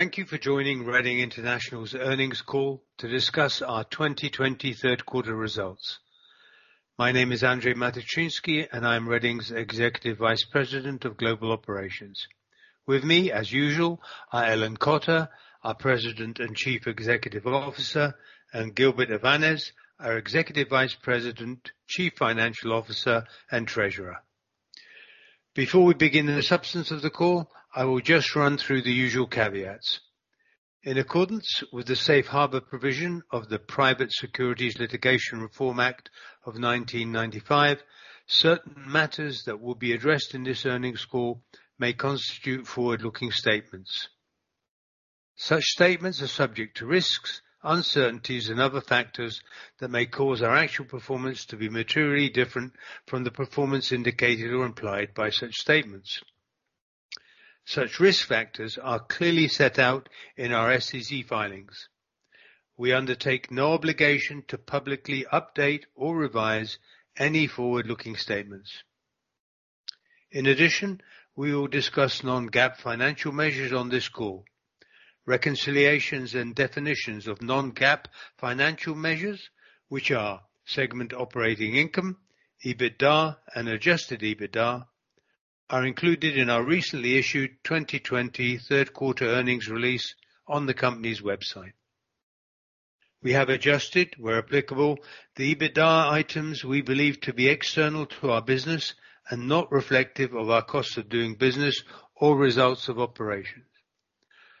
Thank you for joining Reading International's earnings call to discuss our 2020 third quarter results. My name is Andrzej Matyczynski, and I'm Reading's Executive Vice President of Global Operations. With me, as usual, are Ellen Cotter, our President and Chief Executive Officer, and Gilbert Avanes, our Executive Vice President, Chief Financial Officer, and Treasurer. Before we begin the substance of the call, I will just run through the usual caveats. In accordance with the safe harbor provision of the Private Securities Litigation Reform Act of 1995, certain matters that will be addressed in this earnings call may constitute forward-looking statements. Such statements are subject to risks, uncertainties, and other factors that may cause our actual performance to be materially different from the performance indicated or implied by such statements. Such risk factors are clearly set out in our SEC filings. We undertake no obligation to publicly update or revise any forward-looking statements. In addition, we will discuss non-GAAP financial measures on this call. Reconciliations and definitions of non-GAAP financial measures, which are segment operating income, EBITDA, and adjusted EBITDA, are included in our recently issued 2020 third-quarter earnings release on the company's website. We have adjusted, where applicable, the EBITDA items we believe to be external to our business and not reflective of our cost of doing business or results of operations.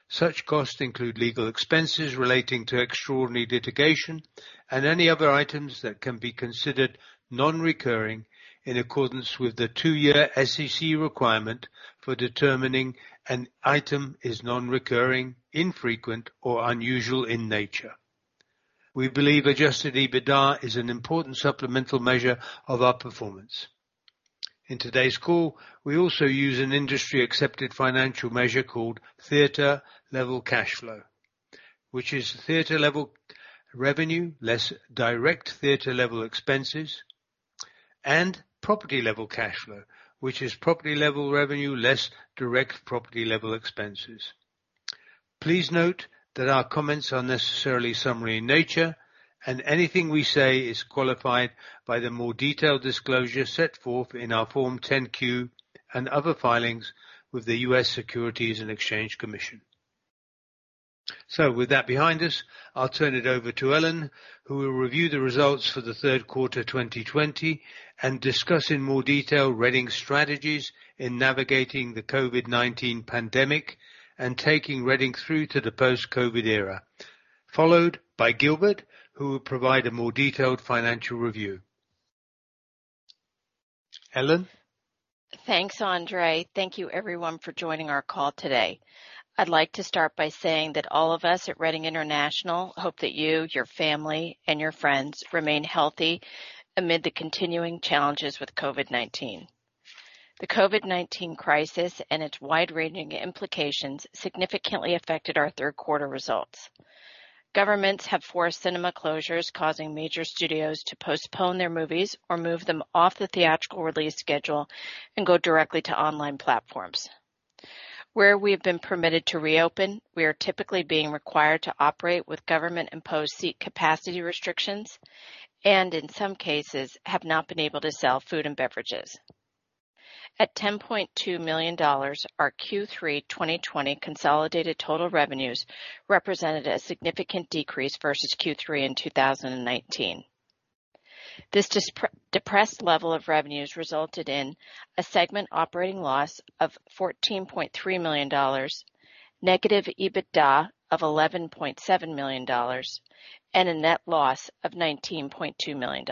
Such costs include legal expenses relating to extraordinary litigation and any other items that can be considered non-recurring, in accordance with the two-year SEC requirement for determining an item is non-recurring, infrequent, or unusual in nature. We believe adjusted EBITDA is an important supplemental measure of our performance. In today's call, we also use an industry-accepted financial measure called Theater Level Cash Flow, which is theater level revenue, less direct theater level expenses, and property level cash flow, which is property level revenue less direct property level expenses. Please note that our comments are necessarily summary in nature, and anything we say is qualified by the more detailed disclosure set forth in our Form 10-Q and other filings with the U.S. Securities and Exchange Commission. With that behind us, I'll turn it over to Ellen Cotter, who will review the results for the third quarter 2020 and discuss in more detail Reading's strategies in navigating the COVID-19 pandemic and taking Reading through to the post-COVID era, followed by Gilbert Avanes, who will provide a more detailed financial review. Ellen Cotter? Thanks, Andrzej Matyczynski. Thank you everyone for joining our call today. I'd like to start by saying that all of us at Reading International hope that you, your family, and your friends remain healthy amid the continuing challenges with COVID-19. The COVID-19 crisis and its wide-ranging implications significantly affected our third quarter results. Governments have forced cinema closures, causing major studios to postpone their movies or move them off the theatrical release schedule and go directly to online platforms. Where we have been permitted to reopen, we are typically being required to operate with government-imposed seat capacity restrictions, and in some cases, have not been able to sell food and beverages. At $10.2 million, our Q3 2020 consolidated total revenues represented a significant decrease versus Q3 in 2019. This depressed level of revenues resulted in a segment operating loss of $14.3 million, negative EBITDA of $11.7 million, and a net loss of $19.2 million.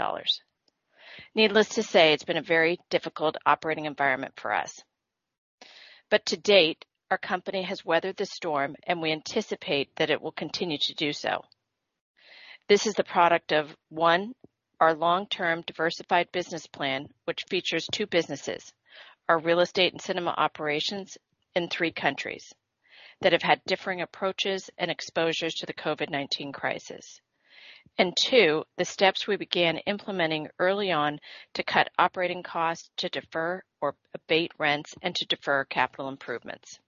Needless to say, it's been a very difficult operating environment for us. To date, our company has weathered the storm, and we anticipate that it will continue to do so. This is the product of, one, our long-term diversified business plan, which features two businesses, our real estate and cinema operations in three countries that have had differing approaches and exposures to the COVID-19 crisis. Two, the steps we began implementing early on to cut operating costs, to defer or abate rents, and to defer capital improvements.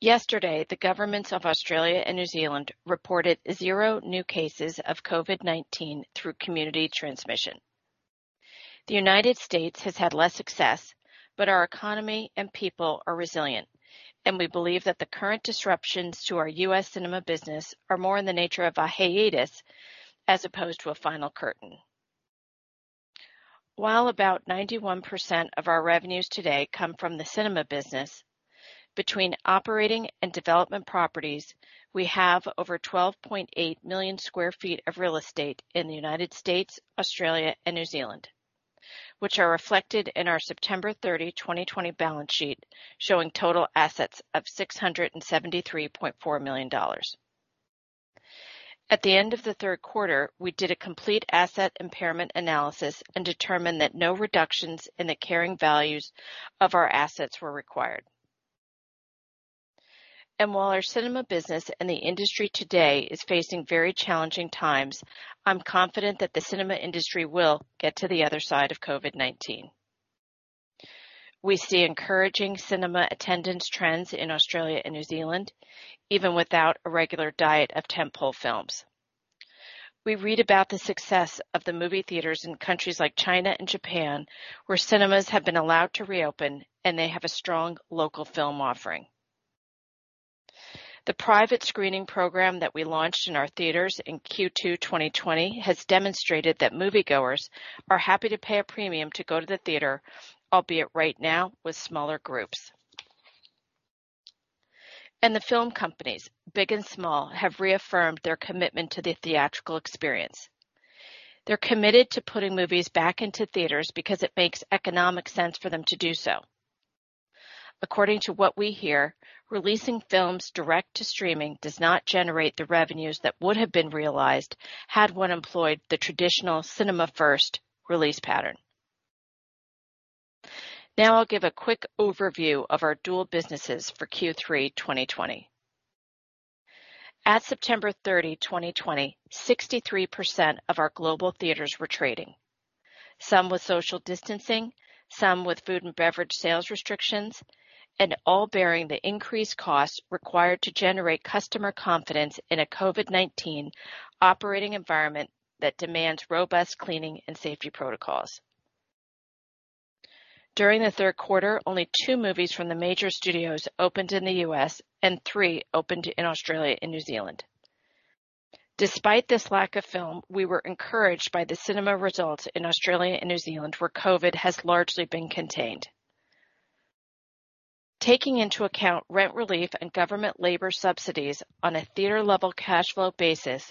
Yesterday, the governments of Australia and New Zealand reported zero new cases of COVID-19 through community transmission. The U.S. has had less success, our economy and people are resilient, and we believe that the current disruptions to our U.S. cinema business are more in the nature of a hiatus as opposed to a final curtain. While about 91% of our revenues today come from the cinema business, between operating and development properties, we have over 12.8 million sq ft of real estate in the U.S., Australia, and New Zealand, which are reflected in our September 30, 2020, balance sheet, showing total assets of $673.4 million. At the end of the third quarter, we did a complete asset impairment analysis and determined that no reductions in the carrying values of our assets were required. While our cinema business and the industry today is facing very challenging times, I'm confident that the cinema industry will get to the other side of COVID-19. We see encouraging cinema attendance trends in Australia and New Zealand, even without a regular diet of tent-pole films. We read about the success of the movie theaters in countries like China and Japan, where cinemas have been allowed to reopen, and they have a strong local film offering. The private screening program that we launched in our theaters in Q2 2020 has demonstrated that moviegoers are happy to pay a premium to go to the theater, albeit right now with smaller groups. The film companies, big and small, have reaffirmed their commitment to the theatrical experience. They're committed to putting movies back into theaters because it makes economic sense for them to do so. According to what we hear, releasing films direct to streaming does not generate the revenues that would have been realized had one employed the traditional cinema-first release pattern. I'll give a quick overview of our dual businesses for Q3 2020. At September 30, 2020, 63% of our global theaters were trading. Some with social distancing, some with food and beverage sales restrictions, and all bearing the increased costs required to generate customer confidence in a COVID-19 operating environment that demands robust cleaning and safety protocols. During the third quarter, only two movies from the major studios opened in the U.S., and three opened in Australia and New Zealand. Despite this lack of film, we were encouraged by the cinema results in Australia and New Zealand, where COVID has largely been contained. Taking into account rent relief and government labor subsidies on a Theater Level Cash Flow basis,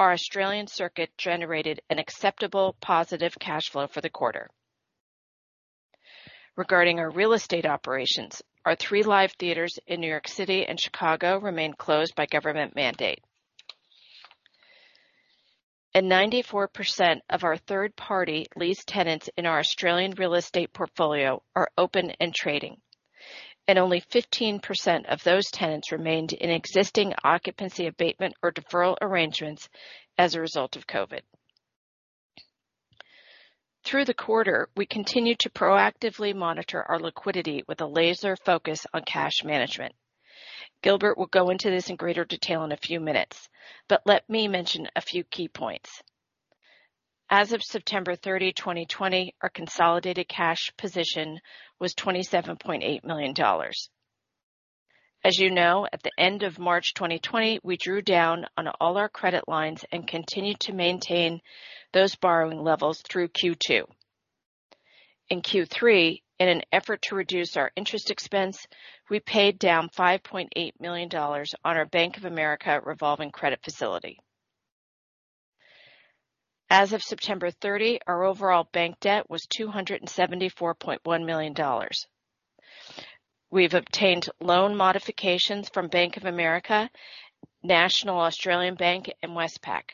our Australian circuit generated an acceptable positive cash flow for the quarter. Regarding our real estate operations, our three live theaters in New York City and Chicago remain closed by government mandate. 94% of our third-party lease tenants in our Australian real estate portfolio are open and trading, and only 15% of those tenants remained in existing occupancy abatement or deferral arrangements as a result of COVID. Through the quarter, we continued to proactively monitor our liquidity with a laser focus on cash management. Gilbert will go into this in greater detail in a few minutes, but let me mention a few key points. As of September 30th, 2020, our consolidated cash position was $27.8 million. As you know, at the end of March 2020, we drew down on all our credit lines and continued to maintain those borrowing levels through Q2. In Q3, in an effort to reduce our interest expense, we paid down $5.8 million on our Bank of America revolving credit facility. As of September 30, our overall bank debt was $274.1 million. We've obtained loan modifications from Bank of America, National Australia Bank, and Westpac.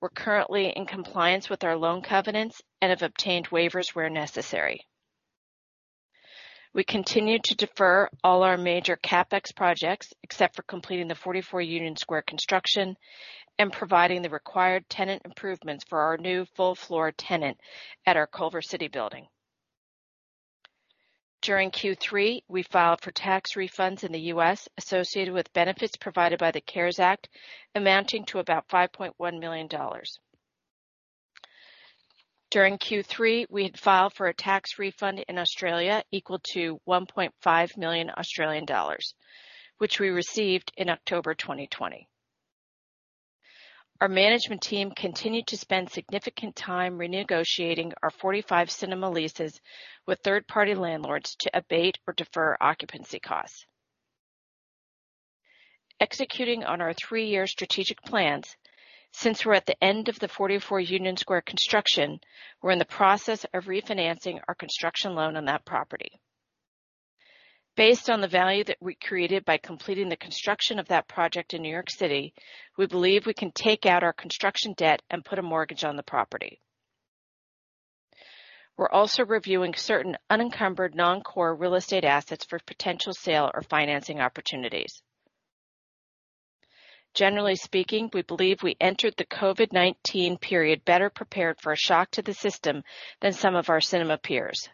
We're currently in compliance with our loan covenants and have obtained waivers where necessary. We continued to defer all our major CapEx projects, except for completing the 44 Union Square construction and providing the required tenant improvements for our new full-floor tenant at our Culver City building. During Q3, we filed for tax refunds in the U.S. associated with benefits provided by the CARES Act, amounting to about $5.1 million. During Q3, we had filed for a tax refund in Australia equal to 1.5 million Australian dollars, which we received in October 2020. Our management team continued to spend significant time renegotiating our 45 cinema leases with third-party landlords to abate or defer occupancy costs. Executing on our three-year strategic plans, since we're at the end of the 44 Union Square construction, we're in the process of refinancing our construction loan on that property. Based on the value that we created by completing the construction of that project in New York City, we believe we can take out our construction debt and put a mortgage on the property. We're also reviewing certain unencumbered non-core real estate assets for potential sale or financing opportunities. Generally speaking, we believe we entered the COVID-19 period better prepared for a shock to the system than some of our cinema peers.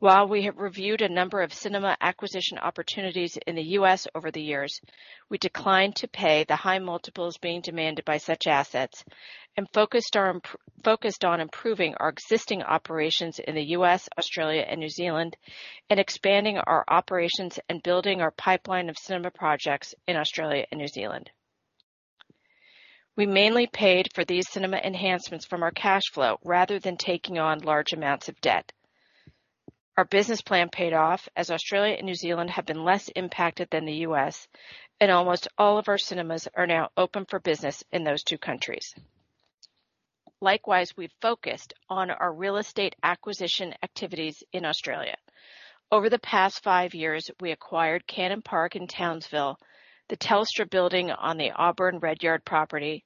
While we have reviewed a number of cinema acquisition opportunities in the U.S. over the years, we declined to pay the high multiples being demanded by such assets and focused on improving our existing operations in the U.S., Australia, and New Zealand and expanding our operations and building our pipeline of cinema projects in Australia and New Zealand. We mainly paid for these cinema enhancements from our cash flow rather than taking on large amounts of debt. Our business plan paid off as Australia and New Zealand have been less impacted than the U.S., and almost all of our cinemas are now open for business in those two countries. Likewise, we've focused on our real estate acquisition activities in Australia. Over the past five years, we acquired Cannon Park in Townsville, the Telstra building on the Auburn Redyard property,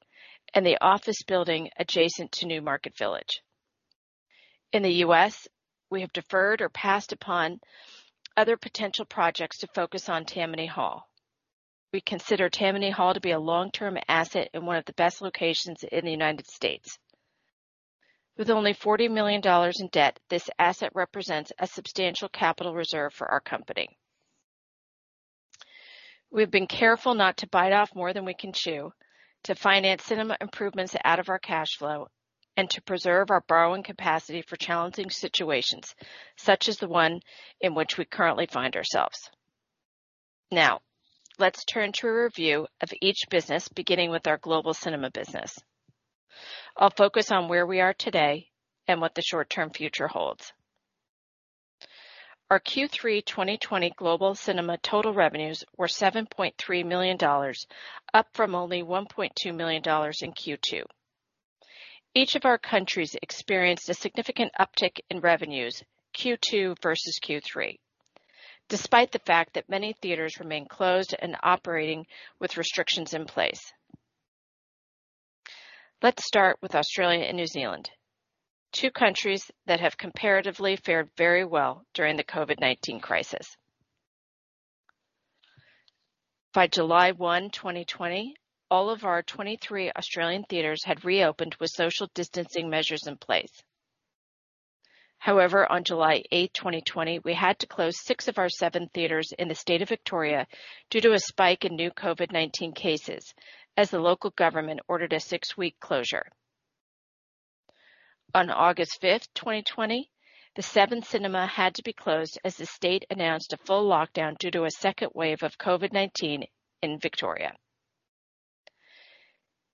and the office building adjacent to Newmarket Village. In the U.S., we have deferred or passed upon other potential projects to focus on Tammany Hall. We consider Tammany Hall to be a long-term asset and one of the best locations in the United States. With only $40 million in debt, this asset represents a substantial capital reserve for our company. We've been careful not to bite off more than we can chew, to finance cinema improvements out of our cash flow, and to preserve our borrowing capacity for challenging situations, such as the one in which we currently find ourselves. Let's turn to a review of each business, beginning with our global cinema business. I'll focus on where we are today and what the short-term future holds. Our Q3 2020 global cinema total revenues were $7.3 million, up from only $1.2 million in Q2. Each of our countries experienced a significant uptick in revenues Q2 versus Q3, despite the fact that many theaters remain closed and operating with restrictions in place. Let's start with Australia and New Zealand, two countries that have comparatively fared very well during the COVID-19 crisis. By July 1, 2020, all of our 23 Australian theaters had reopened with social distancing measures in place. However, on July 8, 2020, we had to close six of our seven theaters in the state of Victoria due to a spike in new COVID-19 cases, as the local government ordered a six-week closure. On August 5th, 2020, the seventh cinema had to be closed as the state announced a full lockdown due to a second wave of COVID-19 in Victoria.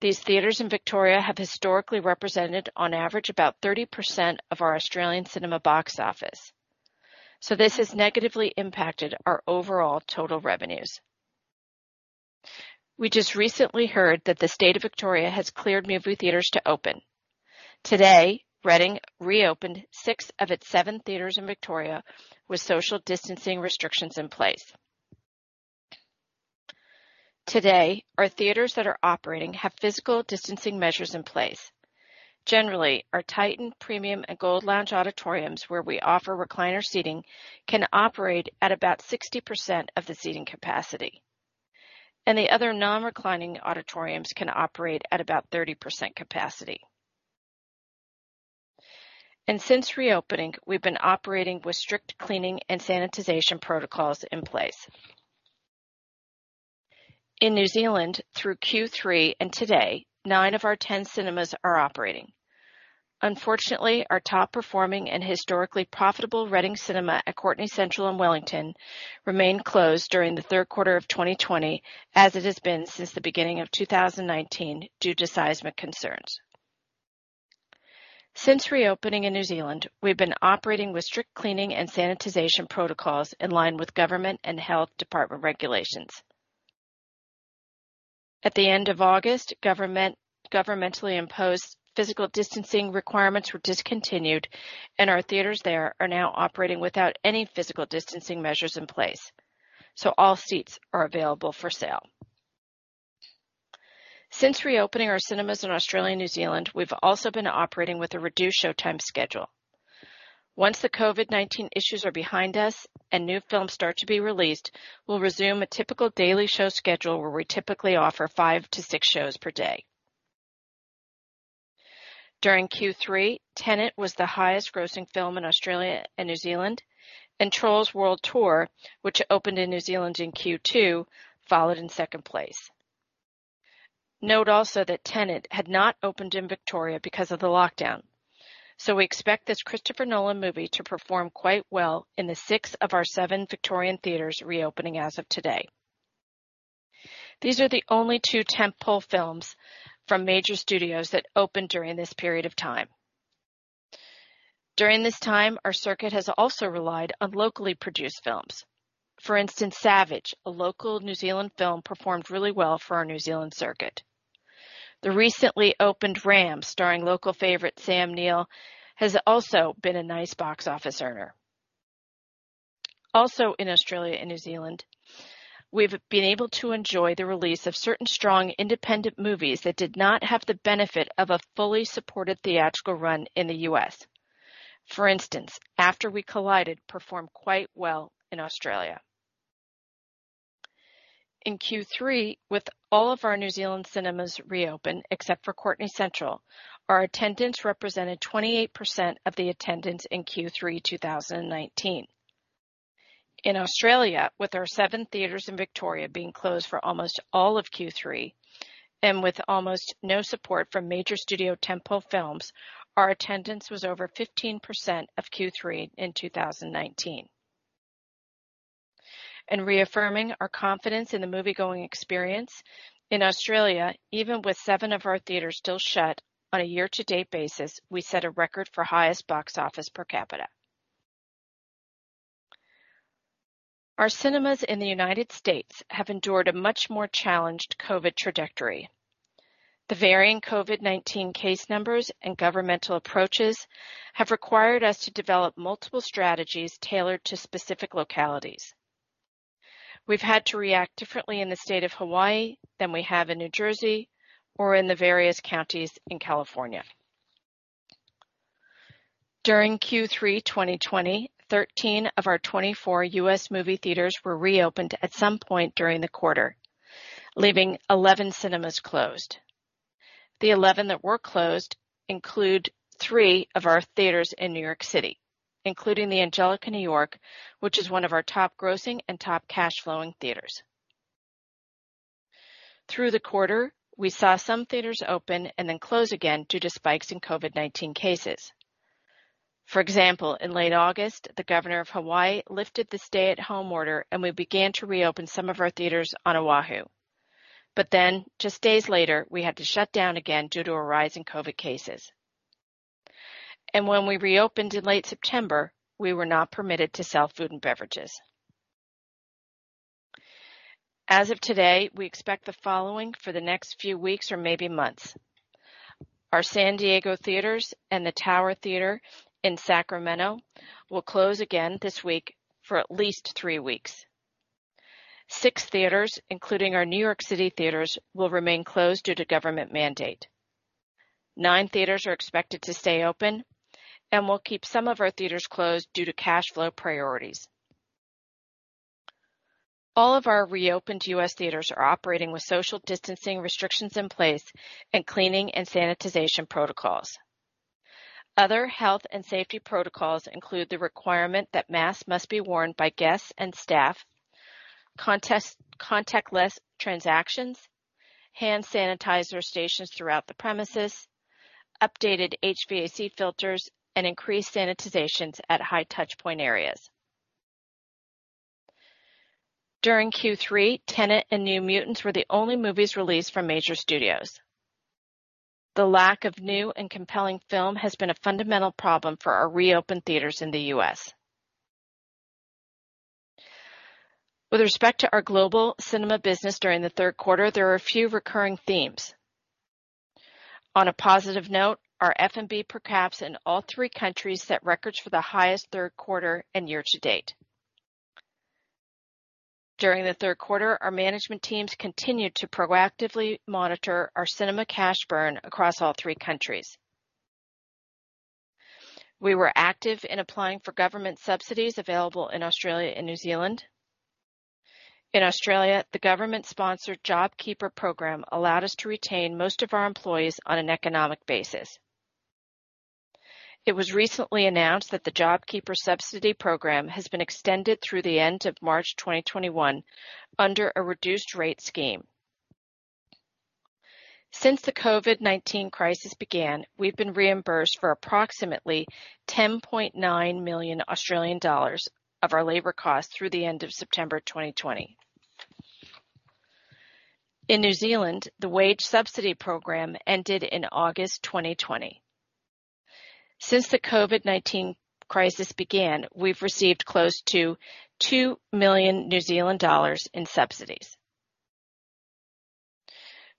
These theaters in Victoria have historically represented, on average, about 30% of our Australian cinema box office. This has negatively impacted our overall total revenues. We just recently heard that the state of Victoria has cleared movie theaters to open. Today, Reading reopened six of its seven theaters in Victoria with social distancing restrictions in place. Today, our theaters that are operating have physical distancing measures in place. Generally, our TITAN LUXE and Gold Lounge auditoriums, where we offer recliner seating, can operate at about 60% of the seating capacity, and the other non-reclining auditoriums can operate at about 30% capacity. Since reopening, we've been operating with strict cleaning and sanitization protocols in place. In New Zealand, through Q3 and today, nine of our 10 cinemas are operating. Unfortunately, our top-performing and historically profitable Reading Cinemas at Courtenay Central in Wellington remained closed during the third quarter of 2020, as it has been since the beginning of 2019 due to seismic concerns. Since reopening in New Zealand, we've been operating with strict cleaning and sanitization protocols in line with government and health department regulations. At the end of August, governmentally imposed physical distancing requirements were discontinued, and our theaters there are now operating without any physical distancing measures in place. All seats are available for sale. Since reopening our cinemas in Australia and New Zealand, we've also been operating with a reduced showtime schedule. Once the COVID-19 issues are behind us and new films start to be released, we'll resume a typical daily show schedule where we typically offer five to six shows per day. During Q3, "Tenet" was the highest-grossing film in Australia and New Zealand, and "Trolls World Tour," which opened in New Zealand in Q2, followed in second place. Note also that "Tenet" had not opened in Victoria because of the lockdown. We expect this Christopher Nolan movie to perform quite well in the six of our seven Victorian theaters reopening as of today. These are the only two tent-pole films from major studios that opened during this period of time. During this time, our circuit has also relied on locally produced films. For instance, "Savage," a local New Zealand film, performed really well for our New Zealand circuit. The recently opened "Rams," starring local favorite Sam Neill, has also been a nice box office earner. Also in Australia and New Zealand, we've been able to enjoy the release of certain strong independent movies that did not have the benefit of a fully supported theatrical run in the U.S. For instance, "After We Collided" performed quite well in Australia. In Q3, with all of our New Zealand cinemas reopened except for Courtenay Central, our attendance represented 28% of the attendance in Q3 2019. In Australia, with our seven theaters in Victoria being closed for almost all of Q3, and with almost no support from major studio tent-pole films, our attendance was over 15% of Q3 in 2019. In reaffirming our confidence in the movie-going experience in Australia, even with seven of our theaters still shut, on a year-to-date basis, we set a record for highest box office per capita. Our cinemas in the United States have endured a much more challenged COVID trajectory. The varying COVID-19 case numbers and governmental approaches have required us to develop multiple strategies tailored to specific localities. We've had to react differently in the state of Hawaii than we have in New Jersey or in the various counties in California. During Q3 2020, 13 of our 24 U.S. movie theaters were reopened at some point during the quarter, leaving 11 cinemas closed. The 11 that were closed include three of our theaters in New York City, including the Angelika New York, which is one of our top grossing and top cash flowing theaters. Through the quarter, we saw some theaters open and then close again due to spikes in COVID-19 cases. For example, in late August, the governor of Hawaii lifted the stay-at-home order, and we began to reopen some of our theaters on Oahu. Just days later, we had to shut down again due to a rise in COVID cases. When we reopened in late September, we were not permitted to sell food and beverages. As of today, we expect the following for the next few weeks or maybe months. Our San Diego theaters and the Tower Theatre in Sacramento will close again this week for at least three weeks. Six theaters, including our New York City theaters, will remain closed due to government mandate. Nine theaters are expected to stay open, and we'll keep some of our theaters closed due to cash flow priorities. All of our reopened U.S. theaters are operating with social distancing restrictions in place and cleaning and sanitization protocols. Other health and safety protocols include the requirement that masks must be worn by guests and staff, contactless transactions, hand sanitizer stations throughout the premises, updated HVAC filters, and increased sanitizations at high touch point areas. During Q3, Tenet and New Mutants were the only movies released from major studios. The lack of new and compelling film has been a fundamental problem for our reopened theaters in the U.S. With respect to our global cinema business during the third quarter, there are a few recurring themes. On a positive note, our F&B per caps in all three countries set records for the highest third quarter and year to date. During the third quarter, our management teams continued to proactively monitor our cinema cash burn across all three countries. We were active in applying for government subsidies available in Australia and New Zealand. In Australia, the government-sponsored JobKeeper program allowed us to retain most of our employees on an economic basis. It was recently announced that the JobKeeper subsidy program has been extended through the end of March 2021 under a reduced rate scheme. Since the COVID-19 crisis began, we've been reimbursed for approximately 10.9 million Australian dollars of our labor costs through the end of September 2020. In New Zealand, the wage subsidy program ended in August 2020. Since the COVID-19 crisis began, we've received close to 2 million New Zealand dollars in subsidies.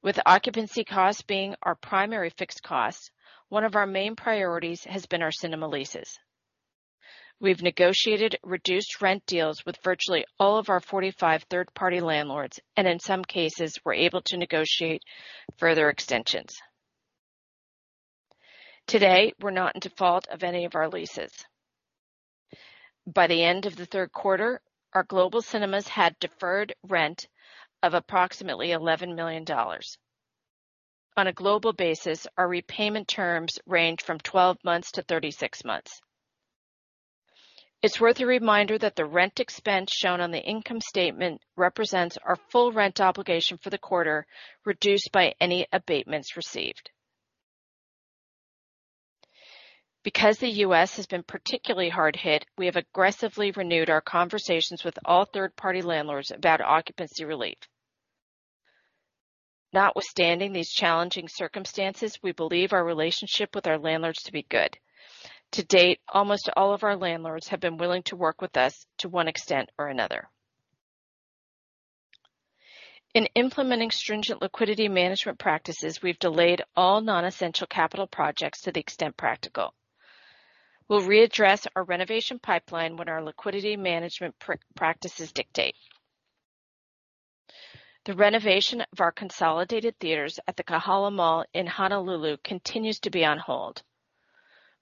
With occupancy costs being our primary fixed costs, one of our main priorities has been our cinema leases. We've negotiated reduced rent deals with virtually all of our 45 third-party landlords, and in some cases, we're able to negotiate further extensions. Today, we're not in default of any of our leases. By the end of the third quarter, our global cinemas had deferred rent of approximately $11 million. On a global basis, our repayment terms range from 12 months to 36 months. It's worth a reminder that the rent expense shown on the income statement represents our full rent obligation for the quarter, reduced by any abatements received. Because the U.S. has been particularly hard hit, we have aggressively renewed our conversations with all third-party landlords about occupancy relief. Notwithstanding these challenging circumstances, we believe our relationship with our landlords to be good. To date, almost all of our landlords have been willing to work with us to one extent or another. In implementing stringent liquidity management practices, we've delayed all non-essential capital projects to the extent practical. We'll readdress our renovation pipeline when our liquidity management practices dictate. The renovation of our consolidated theaters at the Kahala Mall in Honolulu continues to be on hold.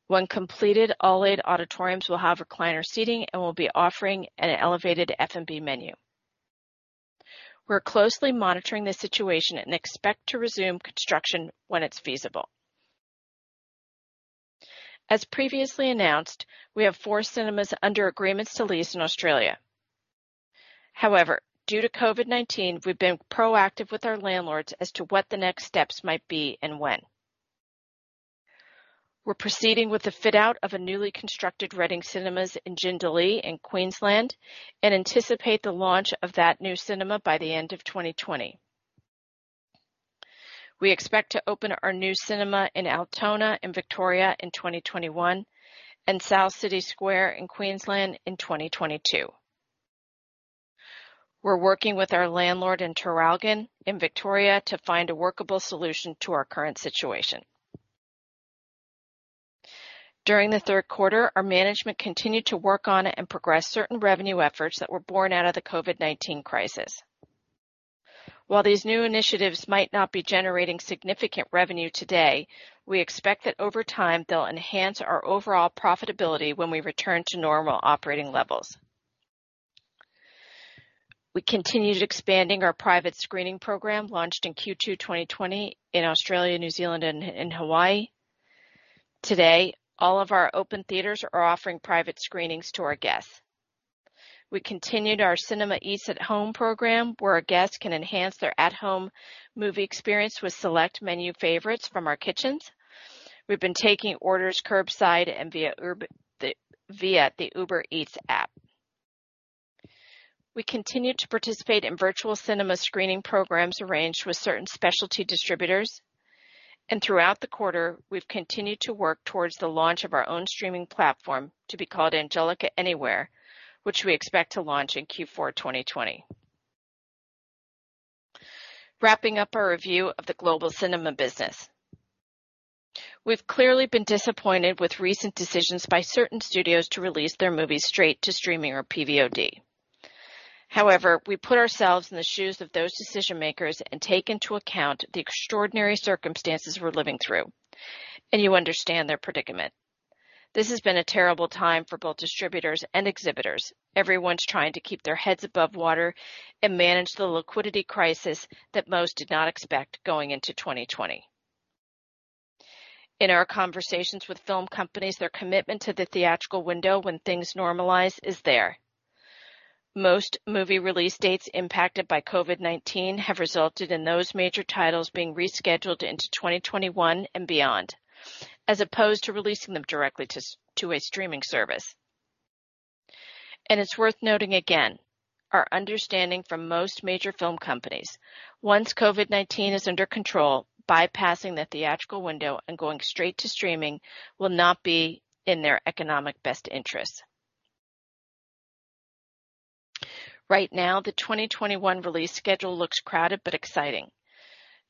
When completed, all 8 auditoriums will have recliner seating and will be offering an elevated F&B menu. We're closely monitoring the situation and expect to resume construction when it's feasible. As previously announced, we have four cinemas under agreements to lease in Australia. However, due to COVID-19, we've been proactive with our landlords as to what the next steps might be and when. We're proceeding with the fit-out of a newly constructed Reading Cinemas in Jindalee in Queensland and anticipate the launch of that new cinema by the end of 2020. We expect to open our new cinema in Altona in Victoria in 2021 and South City Square in Queensland in 2022. We're working with our landlord in Traralgon in Victoria to find a workable solution to our current situation. During the third quarter, our management continued to work on and progress certain revenue efforts that were born out of the COVID-19 crisis. While these new initiatives might not be generating significant revenue today, we expect that over time, they'll enhance our overall profitability when we return to normal operating levels. We continued expanding our private screening program, launched in Q2 2020 in Australia, New Zealand, and Hawaii. Today, all of our open theaters are offering private screenings to our guests. We continued our Cinema Eats at Home program, where our guests can enhance their at-home movie experience with select menu favorites from our kitchens. We've been taking orders curbside and via the Uber Eats app. We continued to participate in virtual cinema screening programs arranged with certain specialty distributors. Throughout the quarter, we've continued to work towards the launch of our own streaming platform to be called Angelika Anywhere, which we expect to launch in Q4 2020. Wrapping up our review of the global cinema business. We've clearly been disappointed with recent decisions by certain studios to release their movies straight to streaming or PVOD. However, we put ourselves in the shoes of those decision-makers and take into account the extraordinary circumstances we're living through, and you understand their predicament. This has been a terrible time for both distributors and exhibitors. Everyone's trying to keep their heads above water and manage the liquidity crisis that most did not expect going into 2020. In our conversations with film companies, their commitment to the theatrical window when things normalize is there. Most movie release dates impacted by COVID-19 have resulted in those major titles being rescheduled into 2021 and beyond, as opposed to releasing them directly to a streaming service. It's worth noting again, our understanding from most major film companies, once COVID-19 is under control, bypassing the theatrical window and going straight to streaming will not be in their economic best interest. Right now, the 2021 release schedule looks crowded but exciting.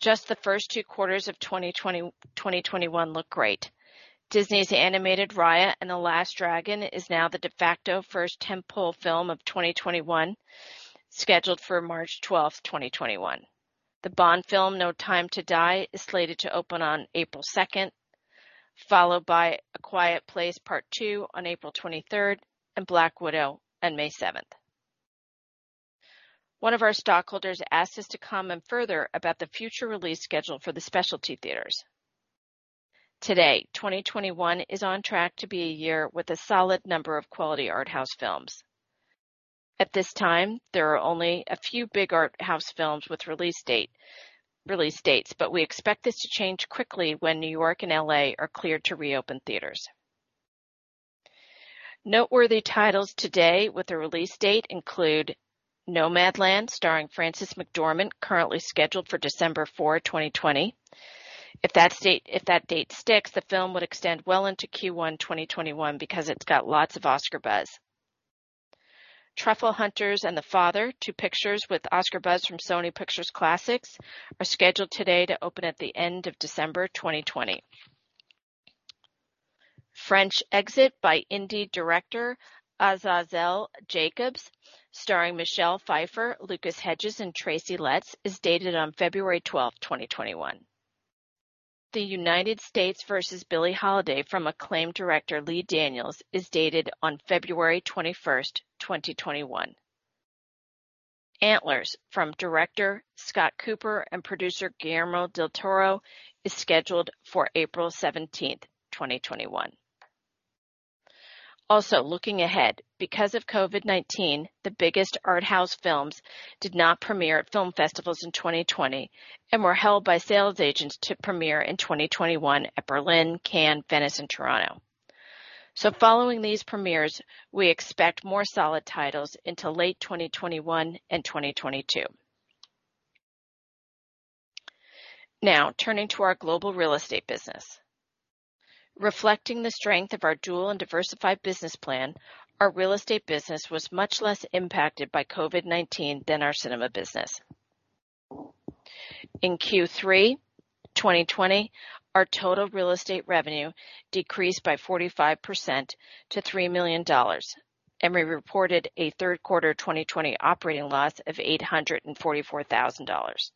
Just the first two quarters of 2021 look great. Disney's animated Raya and the Last Dragon is now the de facto first tent-pole film of 2021, scheduled for March 12th, 2021. The Bond film, No Time to Die, is slated to open on April 2nd, followed by A Quiet Place Part II on April 23rd, and Black Widow on May 7th. One of our stockholders asked us to comment further about the future release schedule for the specialty theaters. Today, 2021 is on track to be a year with a solid number of quality art house films. At this time, there are only a few big art house films with release dates, but we expect this to change quickly when New York and L.A. are cleared to reopen theaters. Noteworthy titles today with a release date include: "Nomadland" starring Frances McDormand, currently scheduled for December 4th, 2020. If that date sticks, the film would extend well into Q1 2021 because it's got lots of Oscar buzz. "The Truffle Hunters" and "The Father," two pictures with Oscar buzz from Sony Pictures Classics, are scheduled today to open at the end of December 2020. French Exit" by indie director Azazel Jacobs, starring Michelle Pfeiffer, Lucas Hedges, and Tracy Letts, is dated on February 12, 2021. "The United States vs. Billie Holiday" from acclaimed director Lee Daniels is dated on February 21st, 2021. "Antlers" from director Scott Cooper and producer Guillermo del Toro is scheduled for April 17th, 2021. Also looking ahead, because of COVID-19, the biggest art house films did not premiere at film festivals in 2020 and were held by sales agents to premiere in 2021 at Berlin, Cannes, Venice, and Toronto. Following these premieres, we expect more solid titles into late 2021 and 2022. Turning to our global real estate business. Reflecting the strength of our dual and diversified business plan, our real estate business was much less impacted by COVID-19 than our cinema business. In Q3 2020, our total real estate revenue decreased by 45% to $3 million, and we reported a third quarter 2020 operating loss of $844,000.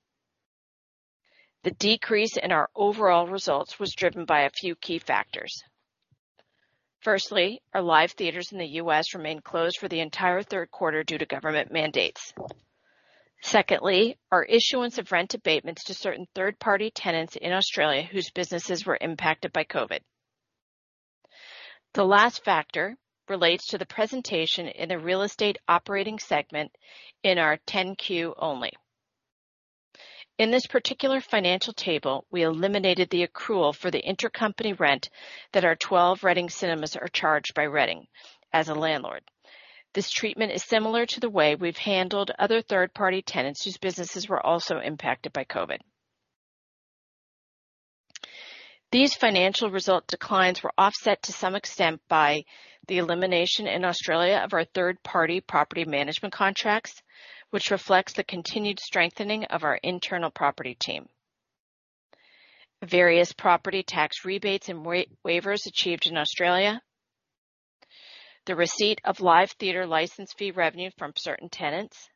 The decrease in our overall results was driven by a few key factors. Firstly, our live theaters in the U.S. remained closed for the entire third quarter due to government mandates. Secondly, our issuance of rent abatements to certain third-party tenants in Australia whose businesses were impacted by COVID. The last factor relates to the presentation in the real estate operating segment in our 10-Q only. In this particular financial table, we eliminated the accrual for the intercompany rent that our 12 Reading Cinemas are charged by Reading as a landlord. This treatment is similar to the way we've handled other third-party tenants whose businesses were also impacted by COVID. These financial result declines were offset to some extent by the elimination in Australia of our third-party property management contracts, which reflects the continued strengthening of our internal property team. Various property tax rebates and waivers achieved in Australia. The receipt of live theater license fee revenue from certain tenants.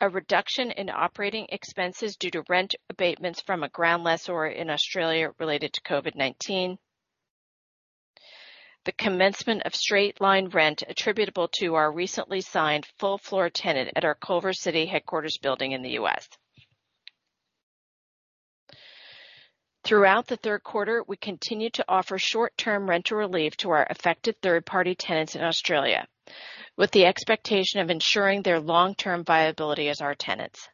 A reduction in operating expenses due to rent abatements from a ground lessor in Australia related to COVID-19. The commencement of straight-line rent attributable to our recently signed full floor tenant at our Culver City headquarters building in the U.S. Throughout the third quarter, we continued to offer short-term rental relief to our affected third-party tenants in Australia, with the expectation of ensuring their long-term viability as our tenants.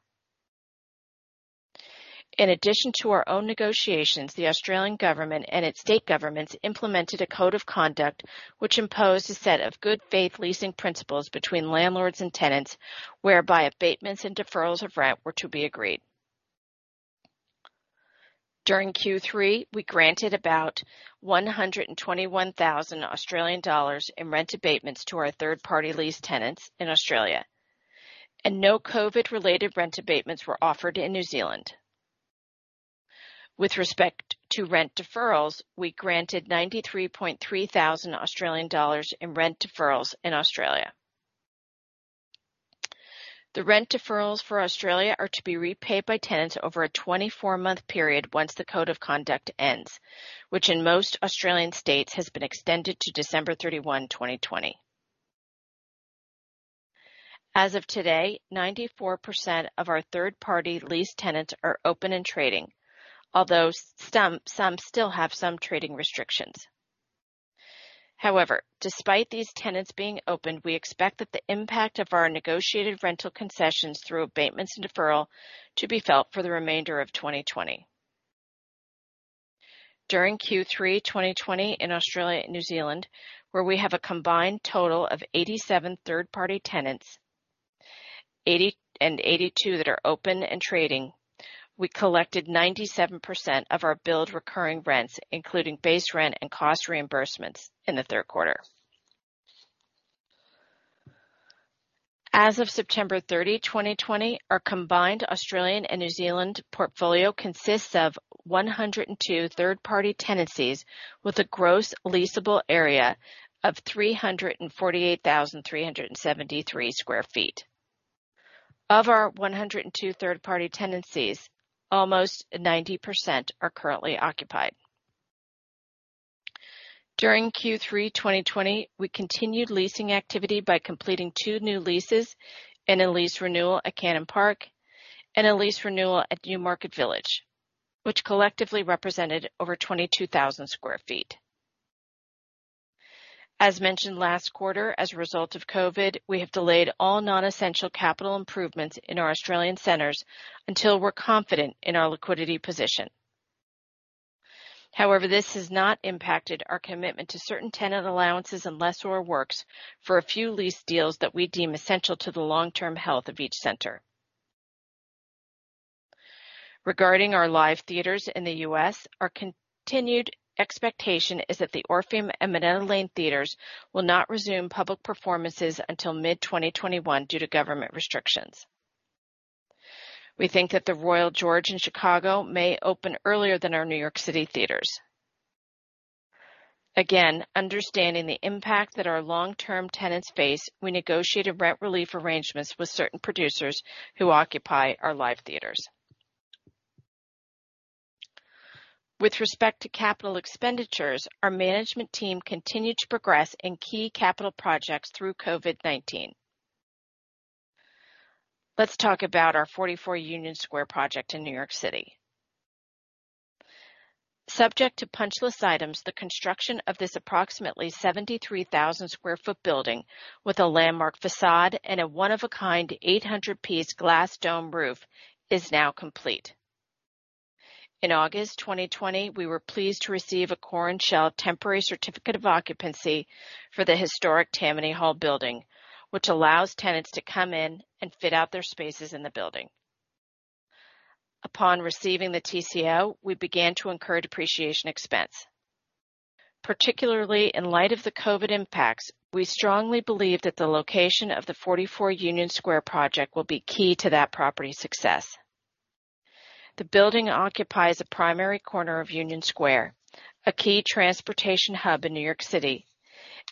In addition to our own negotiations, the Australian government and its state governments implemented a Code of Conduct which imposed a set of good faith leasing principles between landlords and tenants, whereby abatements and deferrals of rent were to be agreed. During Q3, we granted about 121,000 Australian dollars in rent abatements to our third-party lease tenants in Australia, and no COVID-related rent abatements were offered in New Zealand. With respect to rent deferrals, we granted 93,300 Australian dollars in rent deferrals in Australia. The rent deferrals for Australia are to be repaid by tenants over a 24-month period once the Code of Conduct ends, which in most Australian states has been extended to December 31th, 2020. As of today, 94% of our third-party lease tenants are open and trading, although some still have some trading restrictions. Despite these tenants being open, we expect that the impact of our negotiated rental concessions through abatements and deferral to be felt for the remainder of 2020. During Q3 2020 in Australia and New Zealand, where we have a combined total of 87 third-party tenants and 82 that are open and trading, we collected 97% of our billed recurring rents, including base rent and cost reimbursements in the third quarter. As of September 30, 2020, our combined Australian and New Zealand portfolio consists of 102 third-party tenancies with a gross leasable area of 348,373 sq ft. Of our 102 third-party tenancies, almost 90% are currently occupied. During Q3 2020, we continued leasing activity by completing two new leases and a lease renewal at Cannon Park and a lease renewal at Newmarket Village, which collectively represented over 22,000 sq ft. As mentioned last quarter, as a result of COVID, we have delayed all non-essential capital improvements in our Australian centers until we're confident in our liquidity position. However, this has not impacted our commitment to certain tenant allowances and lessor works for a few lease deals that we deem essential to the long-term health of each center. Regarding our live theaters in the U.S., our continued expectation is that the Orpheum and Minetta Lane Theatre will not resume public performances until mid-2021 due to government restrictions. We think that the Royal George in Chicago may open earlier than our New York City theaters. Again, understanding the impact that our long-term tenants face, we negotiated rent relief arrangements with certain producers who occupy our live theaters. With respect to capital expenditures, our management team continued to progress in key capital projects through COVID-19. Let's talk about our 44 Union Square project in New York City. Subject to punch list items, the construction of this approximately 73,000 sq ft building with a landmark facade and a one of a kind 800-piece glass dome roof is now complete. In August 2020, we were pleased to receive a core and shell temporary certificate of occupancy for the historic Tammany Hall building, which allows tenants to come in and fit out their spaces in the building. Upon receiving the TCO, we began to incur depreciation expense. Particularly in light of the COVID impacts, we strongly believe that the location of the 44 Union Square project will be key to that property's success. The building occupies a primary corner of Union Square, a key transportation hub in New York City,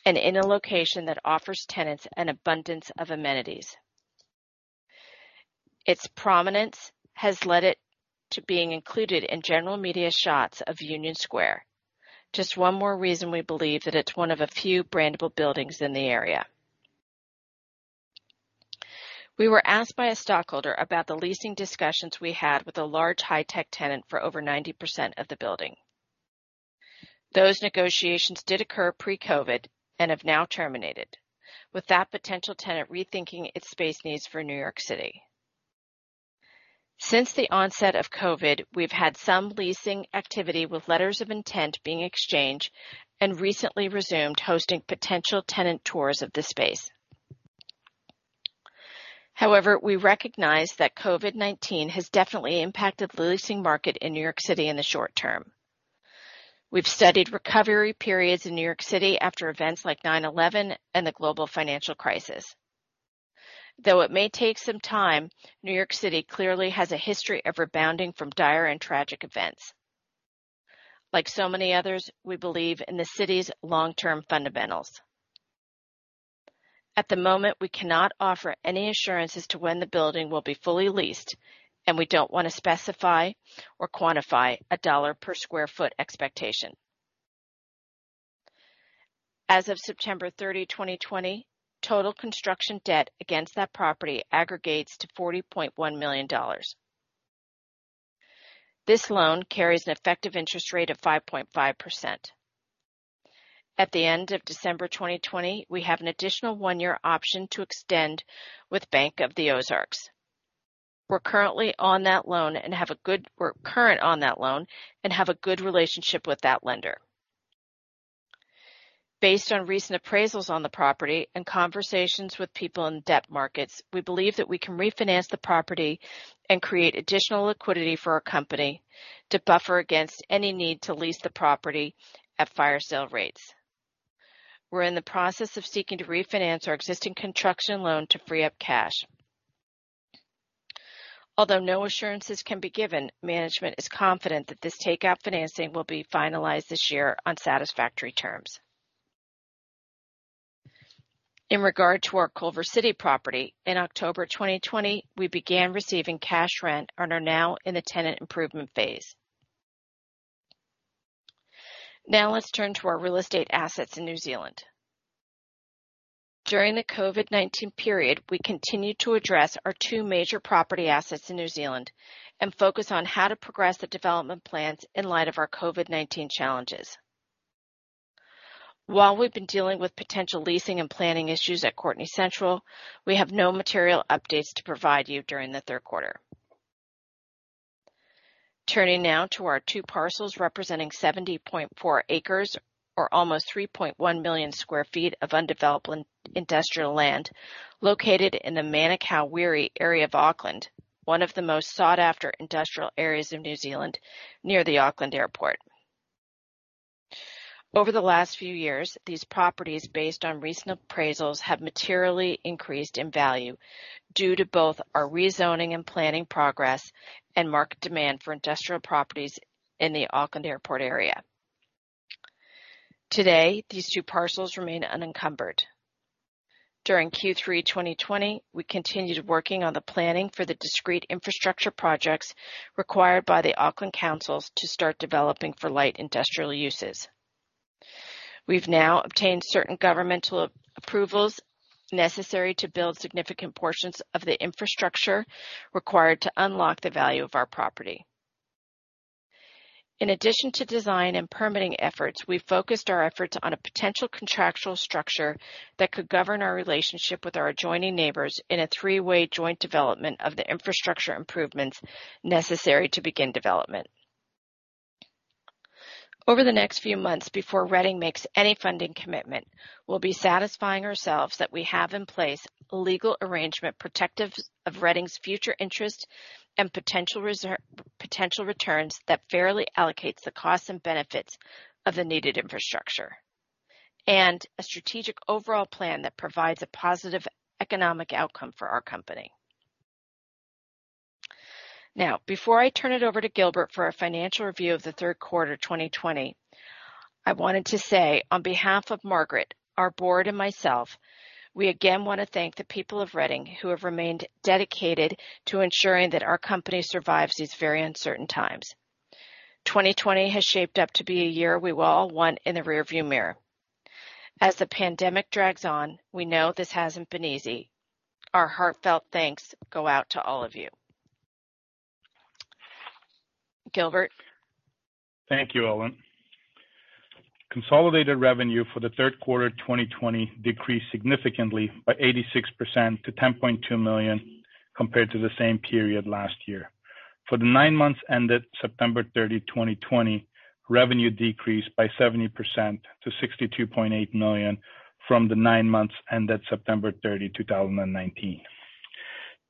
and in a location that offers tenants an abundance of amenities. Its prominence has led it to being included in general media shots of Union Square. Just one more reason we believe that it's one of a few brandable buildings in the area. We were asked by a stockholder about the leasing discussions we had with a large high tech tenant for over 90% of the building. Those negotiations did occur pre-COVID and have now terminated, with that potential tenant rethinking its space needs for New York City. Since the onset of COVID, we've had some leasing activity with letters of intent being exchanged and recently resumed hosting potential tenant tours of the space. However, we recognize that COVID-19 has definitely impacted the leasing market in New York City in the short term. We've studied recovery periods in New York City after events like 9/11 and the global financial crisis. Though it may take some time, New York City clearly has a history of rebounding from dire and tragic events. Like so many others, we believe in the city's long-term fundamentals. At the moment, we cannot offer any assurance as to when the building will be fully leased, and we don't want to specify or quantify a dollar per square foot expectation. As of September 30th, 2020, total construction debt against that property aggregates to $40.1 million. This loan carries an effective interest rate of 5.5%. At the end of December 2020, we have an additional one-year option to extend with Bank of the Ozarks. We're current on that loan and have a good relationship with that lender. Based on recent appraisals on the property and conversations with people in debt markets, we believe that we can refinance the property and create additional liquidity for our company to buffer against any need to lease the property at fire sale rates. We're in the process of seeking to refinance our existing construction loan to free up cash. Although no assurances can be given, management is confident that this takeout financing will be finalized this year on satisfactory terms. In regard to our Culver City property, in October 2020, we began receiving cash rent and are now in the tenant improvement phase. Let's turn to our real estate assets in New Zealand. During the COVID-19 period, we continued to address our two major property assets in New Zealand and focus on how to progress the development plans in light of our COVID-19 challenges. While we've been dealing with potential leasing and planning issues at Courtenay Central, we have no material updates to provide you during the third quarter. Turning now to our two parcels, representing 70.4 acres or almost 3.1 million sq ft of undeveloped industrial land located in the Manukau Wiri area of Auckland, one of the most sought-after industrial areas of New Zealand near the Auckland Airport. Over the last few years, these properties, based on recent appraisals, have materially increased in value due to both our rezoning and planning progress and market demand for industrial properties in the Auckland Airport area. Today, these two parcels remain unencumbered. During Q3 2020, we continued working on the planning for the discrete infrastructure projects required by the Auckland councils to start developing for light industrial uses. We've now obtained certain governmental approvals necessary to build significant portions of the infrastructure required to unlock the value of our property. In addition to design and permitting efforts, we focused our efforts on a potential contractual structure that could govern our relationship with our adjoining neighbors in a three-way joint development of the infrastructure improvements necessary to begin development. Over the next few months before Reading makes any funding commitment, we'll be satisfying ourselves that we have in place a legal arrangement protective of Reading's future interest and potential returns that fairly allocates the costs and benefits of the needed infrastructure, and a strategic overall plan that provides a positive economic outcome for our company. Now, before I turn it over to Gilbert Avanes for our financial review of the third quarter 2020, I wanted to say, on behalf of Margaret, our Board, and myself, we again want to thank the people of Reading who have remained dedicated to ensuring that our company survives these very uncertain times. 2020 has shaped up to be a year we will all want in the rear view mirror. As the pandemic drags on, we know this hasn't been easy. Our heartfelt thanks go out to all of you. Gilbert Avanes? Thank you, Ellen Cotter. Consolidated revenue for the third quarter 2020 decreased significantly by 86% to $10.2 million compared to the same period last year. For the nine months ended September 30th, 2020, revenue decreased by 70% to $62.8 million from the nine months ended September 30th, 2019.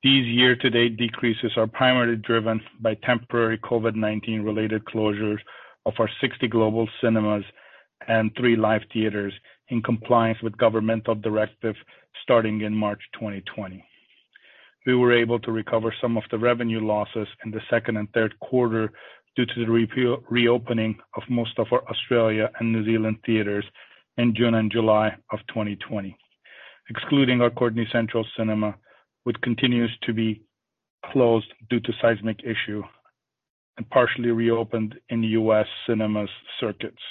These year-to-date decreases are primarily driven by temporary COVID-19-related closures of our 60 global cinemas and three live theaters in compliance with governmental directives starting in March 2020. We were able to recover some of the revenue losses in the second and third quarter due to the reopening of most of our Australia and New Zealand theaters in June and July of 2020. Excluding our Courtenay Central cinema, which continues to be closed due to seismic issue and partially reopened in the U.S. cinemas circuits.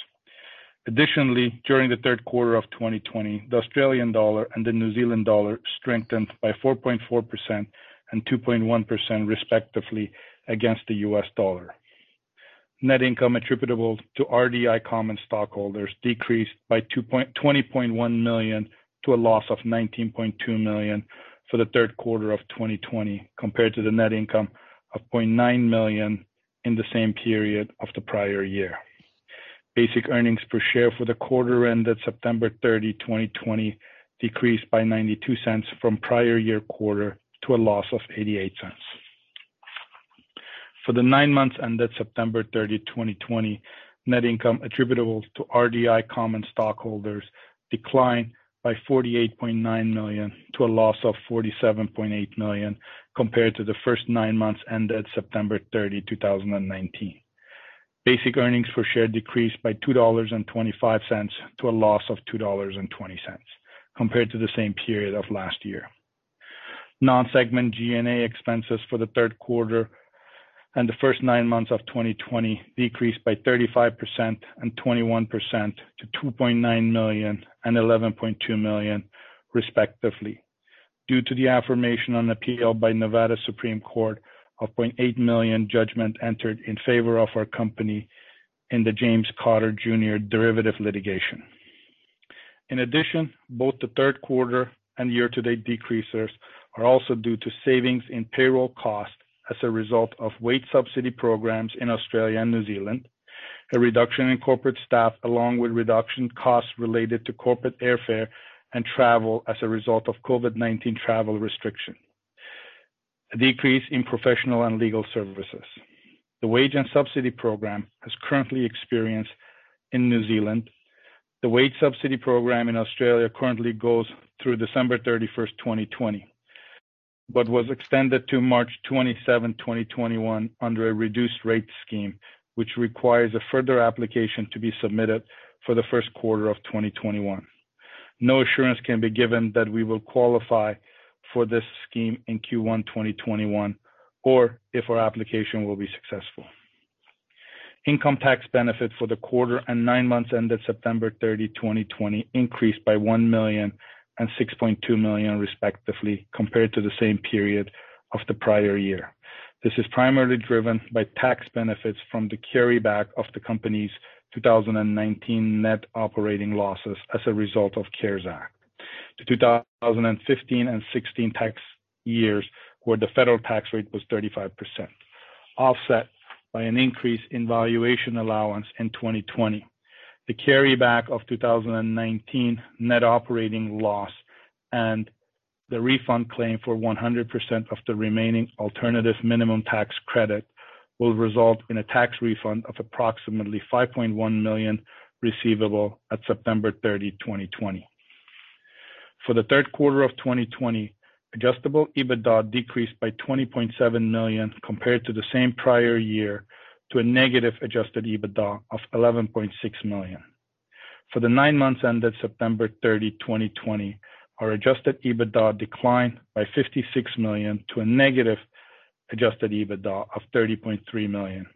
Additionally, during the third quarter of 2020, the Australian dollar and the New Zealand dollar strengthened by 4.4% and 2.1% respectively against the U.S. dollar. Net income attributable to RDI common stockholders decreased by $20.1 million to a loss of $19.2 million for the third quarter of 2020 compared to the net income of $0.9 million in the same period of the prior year. Basic earnings per share for the quarter ended September 30, 2020 decreased by $0.92 from prior year quarter to a loss of $0.88. For the nine months ended September 30, 2020, net income attributable to RDI common stockholders declined by $48.9 million to a loss of $47.8 million compared to the first nine months ended September 30, 2019. Basic earnings per share decreased by $2.25 to a loss of $2.20 compared to the same period of last year. Non-segment G&A expenses for the third quarter and the first nine months of 2020 decreased by 35% and 21% to $2.9 million and $11.2 million, respectively. Due to the affirmation on appeal by Supreme Court of Nevada of $0.8 million judgment entered in favor of our company in the James Cotter Jr. derivative litigation. In addition, both the third quarter and year-to-date decreases are also due to savings in payroll costs as a result of wage subsidy programs in Australia and New Zealand, a reduction in corporate staff, along with reduction costs related to corporate airfare and travel as a result of COVID-19 travel restriction, a decrease in professional and legal services. The wage and subsidy program is currently experienced in New Zealand. The wage subsidy program in Australia currently goes through December 31th, 2020, was extended to March 27th, 2021 under a reduced rate scheme, which requires a further application to be submitted for the first quarter of 2021. No assurance can be given that we will qualify for this scheme in Q1 2021 or if our application will be successful. Income tax benefit for the quarter and nine months ended September 30, 2020, increased by $1 million and $6.2 million respectively compared to the same period of the prior year. This is primarily driven by tax benefits from the carryback of the company's 2019 net operating losses as a result of CARES Act. The 2015 and 2016 tax years, where the federal tax rate was 35%, offset by an increase in valuation allowance in 2020. The carryback of 2019 net operating loss and the refund claim for 100% of the remaining alternative minimum tax credit will result in a tax refund of approximately $5.1 million receivable at September 30th, 2020. For the third quarter of 2020, adjusted EBITDA decreased by $20.7 million compared to the same prior year to a negative adjusted EBITDA of $11.6 million. For the nine months ended September 30th, 2020, our adjusted EBITDA declined by $56 million to a negative adjusted EBITDA of $30.3 million.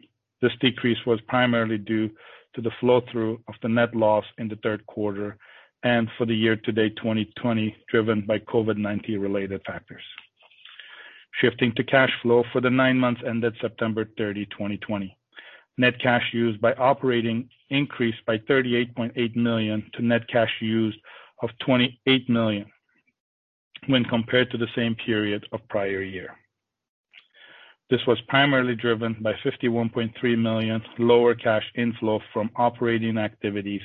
This decrease was primarily due to the flow-through of the net loss in the third quarter and for the year-to-date 2020 driven by COVID-19 related factors. Shifting to cash flow for the nine months ended September 30th, 2020. Net cash used by operating increased by $38.8 million to net cash used of $28 million when compared to the same period of prior year. This was primarily driven by $51.3 million lower cash inflow from operating activities,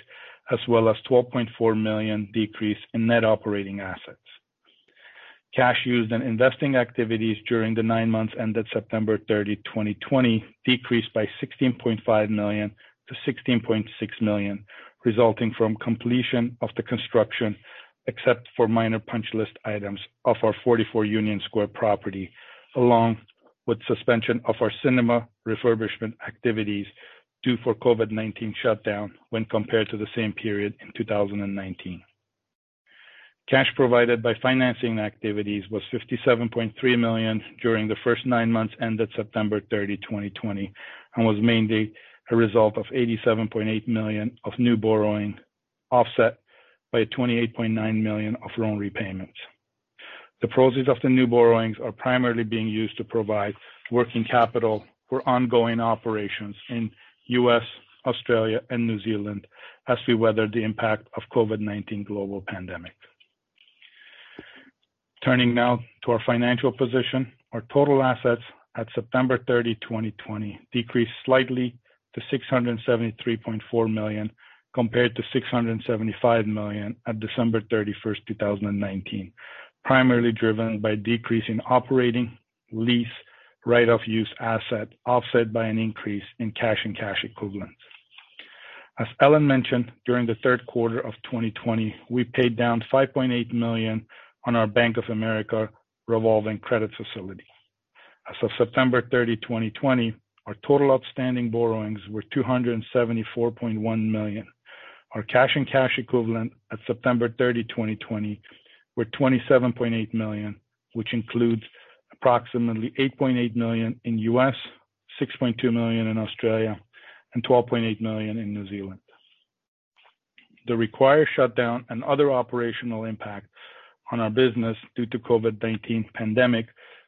as well as $12.4 million decrease in net operating assets. Cash used in investing activities during the nine months ended September 30, 2020, decreased by $16.5 million to $16.6 million, resulting from completion of the construction, except for minor punch list items of our 44 Union Square property, along with suspension of our cinema refurbishment activities due for COVID-19 shutdown when compared to the same period in 2019. Cash provided by financing activities was $57.3 million during the first nine months ended September 30, 2020, was mainly a result of $87.8 million of new borrowing offset by $28.9 million of loan repayments. The proceeds of the new borrowings are primarily being used to provide working capital for ongoing operations in U.S., Australia, and New Zealand as we weather the impact of COVID-19 global pandemic. Turning now to our financial position. Our total assets at September 30th, 2020, decreased slightly to $673.4 million compared to $675 million at December 31st, 2019. Primarily driven by decrease in operating lease right-of-use asset offset by an increase in cash and cash equivalents. As Ellen mentioned, during the third quarter of 2020, we paid down $5.8 million on our Bank of America revolving credit facility. As of September 30th, 2020, our total outstanding borrowings were $274.1 million. Our cash and cash equivalent at September 30, 2020, were $27.8 million, which includes approximately $8.8 million in U.S., 6.2 million in Australia, and 12.8 million in New Zealand. The required shutdown and other operational impacts on our business due to COVID-19 pandemic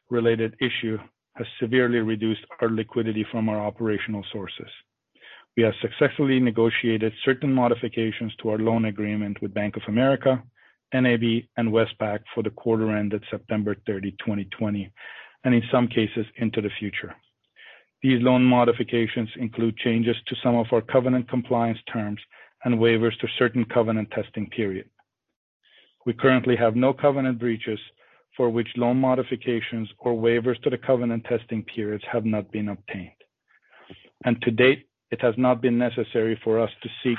related issue has severely reduced our liquidity from our operational sources. We have successfully negotiated certain modifications to our loan agreement with Bank of America, NAB, and Westpac for the quarter ended September 30th, 2020, and in some cases into the future. These loan modifications include changes to some of our covenant compliance terms and waivers to certain covenant testing period. We currently have no covenant breaches for which loan modifications or waivers to the covenant testing periods have not been obtained. To date, it has not been necessary for us to seek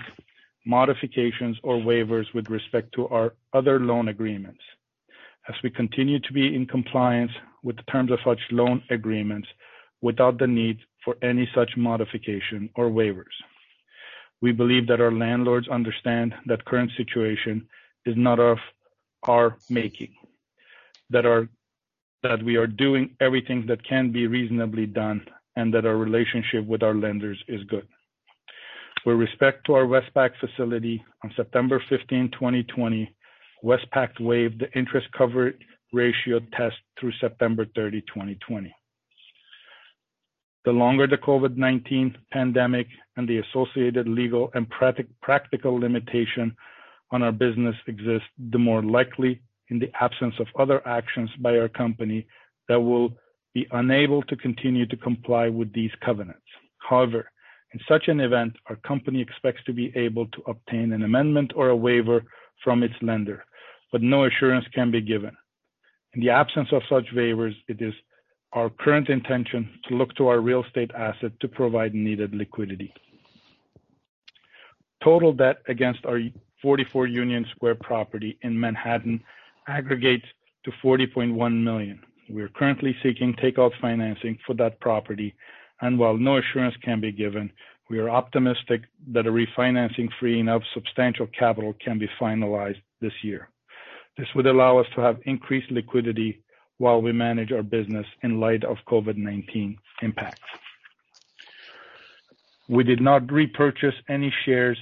modifications or waivers with respect to our other loan agreements as we continue to be in compliance with the terms of such loan agreements without the need for any such modification or waivers. We believe that our landlords understand that current situation is not of our making, that we are doing everything that can be reasonably done, and that our relationship with our lenders is good. With respect to our Westpac facility, on September 15th, 2020, Westpac waived the interest covered ratio test through September 30th, 2020. The longer the COVID-19 pandemic and the associated legal and practical limitation on our business exists, the more likely, in the absence of other actions by our company, that we'll be unable to continue to comply with these covenants. In such an event, our company expects to be able to obtain an amendment or a waiver from its lender, but no assurance can be given. In the absence of such waivers, it is our current intention to look to our real estate asset to provide needed liquidity. Total debt against our 44 Union Square property in Manhattan aggregates to $40.1 million. We are currently seeking take-out financing for that property, and while no assurance can be given, we are optimistic that a refinancing freeing up substantial capital can be finalized this year. This would allow us to have increased liquidity while we manage our business in light of COVID-19 impacts. We did not repurchase any shares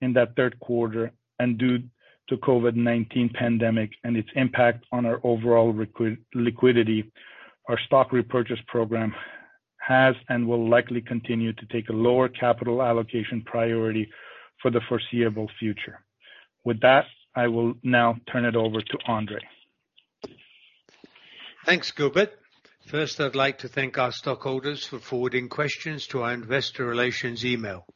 in that third quarter, and due to COVID-19 pandemic and its impact on our overall liquidity, our stock repurchase program has and will likely continue to take a lower capital allocation priority for the foreseeable future. With that, I will now turn it over to Andrzej Matyczynski. Thanks, Gilbert Avanes. First, I'd like to thank our stockholders for forwarding questions to our investor relations email.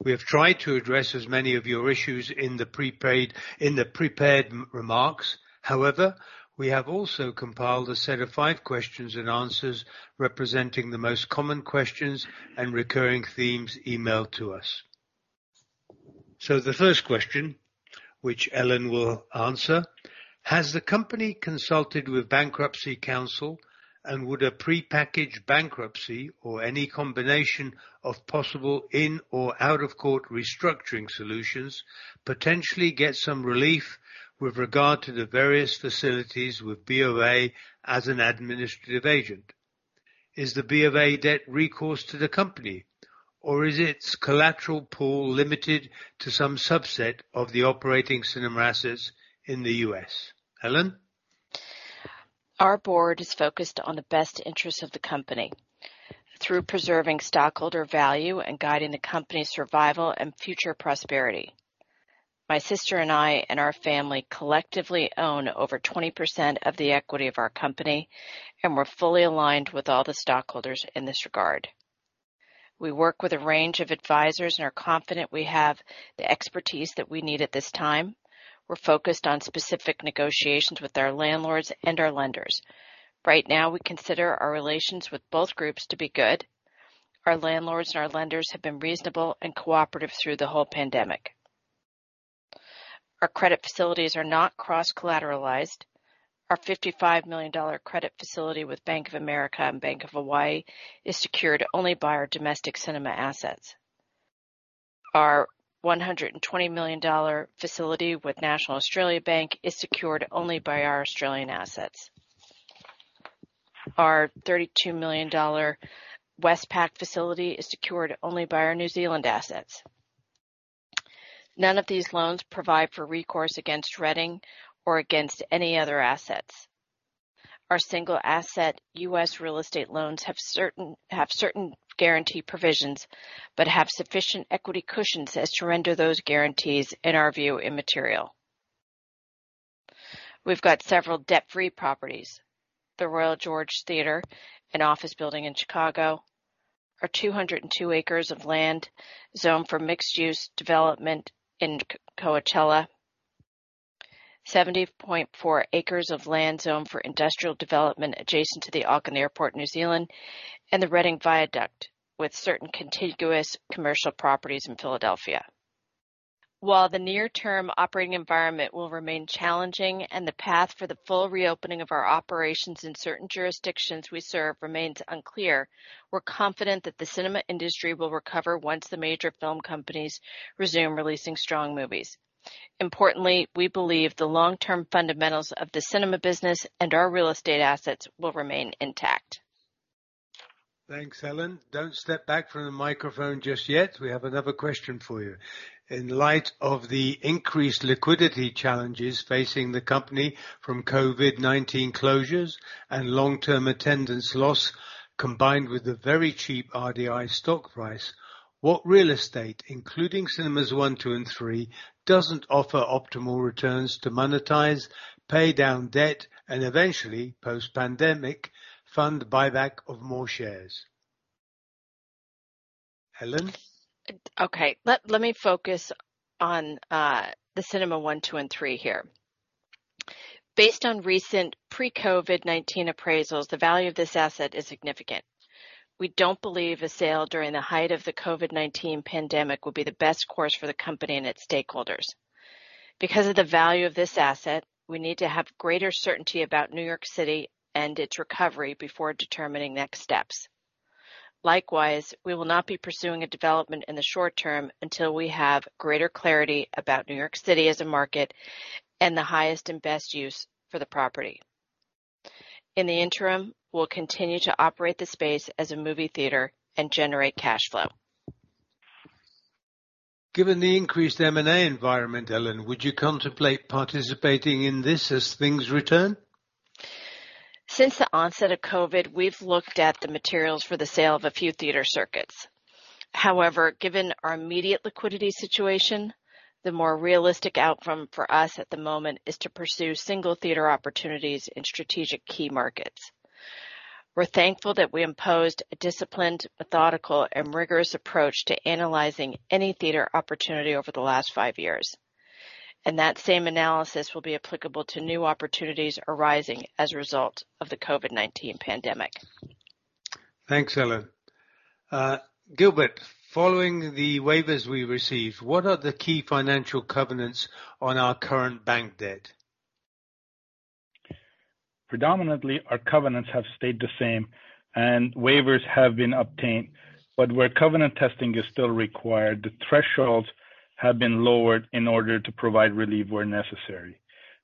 We have tried to address as many of your issues in the prepared remarks. We have also compiled a set of five questions and answers representing the most common questions and recurring themes emailed to us. The first question, which Ellen will answer, has the company consulted with bankruptcy counsel, and would a prepackaged bankruptcy or any combination of possible in or out of court restructuring solutions potentially get some relief with regard to the various facilities with BOA as an administrative agent? Is the BOA debt recourse to the company, or is its collateral pool limited to some subset of the operating cinema assets in the U.S.? Ellen Cotter. Our board is focused on the best interest of the company through preserving stockholder value and guiding the company's survival and future prosperity. My sister and I, and our family collectively own over 20% of the equity of our company, and we're fully aligned with all the stockholders in this regard. We work with a range of advisors and are confident we have the expertise that we need at this time. We're focused on specific negotiations with our landlords and our lenders. Right now, we consider our relations with both groups to be good. Our landlords and our lenders have been reasonable and cooperative through the whole pandemic. Our credit facilities are not cross-collateralized. Our $55 million credit facility with Bank of America and Bank of Hawaii is secured only by our domestic cinema assets. Our $120 million facility with National Australia Bank is secured only by our Australian assets. Our $32 million Westpac facility is secured only by our New Zealand assets. None of these loans provide for recourse against Reading or against any other assets. Our single asset US real estate loans have certain guarantee provisions but have sufficient equity cushions as to render those guarantees, in our view, immaterial. We've got several debt-free properties. The Royal George Theater, an office building in Chicago. Our 202 acres of land zoned for mixed-use development in Coachella. 70.4 acres of land zoned for industrial development adjacent to the Auckland Airport, New Zealand, and the Reading Viaduct with certain contiguous commercial properties in Philadelphia. While the near-term operating environment will remain challenging and the path for the full reopening of our operations in certain jurisdictions we serve remains unclear, we're confident that the cinema industry will recover once the major film companies resume releasing strong movies. Importantly, we believe the long-term fundamentals of the cinema business and our real estate assets will remain intact. Thanks, Ellen Cotter. Don't step back from the microphone just yet. We have another question for you. In light of the increased liquidity challenges facing the company from COVID-19 closures and long-term attendance loss, combined with the very cheap RDI stock price, what real estate, including Cinemas one, two, and three, doesn't offer optimal returns to monetize, pay down debt, and eventually post pandemic fund buyback of more shares? Ellen Cotter? Okay. Let me focus on the cinema one, two, and three here. Based on recent pre-COVID-19 appraisals, the value of this asset is significant. We don't believe a sale during the height of the COVID-19 pandemic would be the best course for the company and its stakeholders. Because of the value of this asset, we need to have greater certainty about New York City and its recovery before determining next steps. Likewise, we will not be pursuing a development in the short term until we have greater clarity about New York City as a market and the highest and best use for the property. In the interim, we'll continue to operate the space as a movie theater and generate cash flow. Given the increased M&A environment, Ellen Cotter, would you contemplate participating in this as things return? Since the onset of COVID, we've looked at the materials for the sale of a few theater circuits. However, given our immediate liquidity situation, the more realistic outcome for us at the moment is to pursue single-theater opportunities in strategic key markets. We're thankful that we imposed a disciplined, methodical, and rigorous approach to analyzing any theater opportunity over the last five years, and that same analysis will be applicable to new opportunities arising as a result of the COVID-19 pandemic. Thanks, Ellen Cotter. Gilbert Avanes, following the waivers we received, what are the key financial covenants on our current bank debt? Predominantly, our covenants have stayed the same and waivers have been obtained, but where covenant testing is still required, the thresholds have been lowered in order to provide relief where necessary.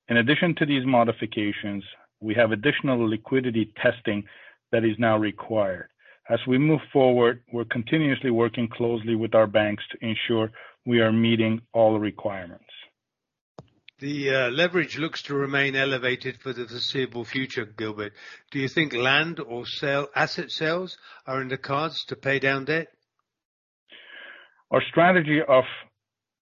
In addition to these modifications, we have additional liquidity testing that is now required. As we move forward, we're continuously working closely with our banks to ensure we are meeting all requirements. The leverage looks to remain elevated for the foreseeable future, Gilbert Avanes. Do you think land or asset sales are in the cards to pay down debt? Our strategy of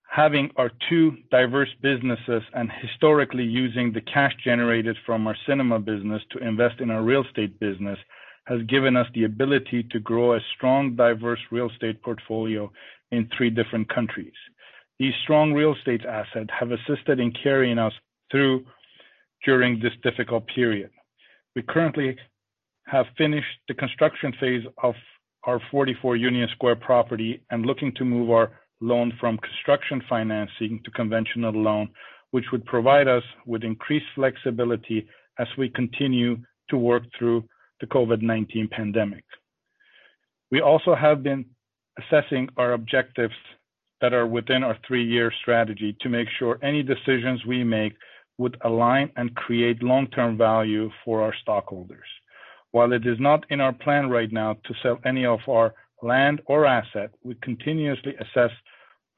having our two diverse businesses and historically using the cash generated from our cinema business to invest in our real estate business has given us the ability to grow a strong, diverse real estate portfolio in three different countries. These strong real estate assets have assisted in carrying us through during this difficult period. We currently have finished the construction phase of our 44 Union Square property and looking to move our loan from construction financing to conventional loan, which would provide us with increased flexibility as we continue to work through the COVID-19 pandemic. We also have been assessing our objectives that are within our 3-year strategy to make sure any decisions we make would align and create long-term value for our stockholders. While it is not in our plan right now to sell any of our land or asset, we continuously assess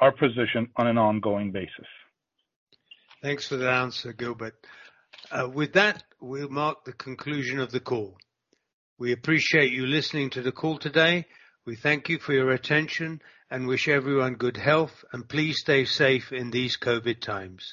our position on an ongoing basis. Thanks for the answer, Gilbert Avanes. With that, we'll mark the conclusion of the call. We appreciate you listening to the call today. We thank you for your attention and wish everyone good health, and please stay safe in these COVID times.